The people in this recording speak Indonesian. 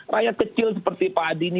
raya kecil seperti itu itu yang diperhitungkan